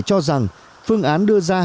cho rằng phương án đưa ra